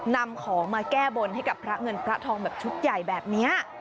นำของมาแก้บนให้กับพระเงินพระทองแบบชุดใหญ่แบบนี้